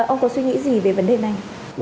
ông có suy nghĩ gì về vấn đề này